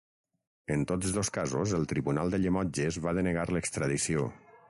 En tots dos casos el tribunal de Llemotges va denegar l'extradició.